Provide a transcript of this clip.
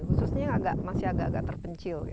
khususnya agak masih agak terpencil